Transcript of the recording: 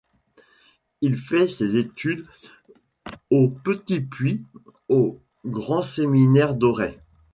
Il fait ses études au petit puis au grand séminaire d'Auray.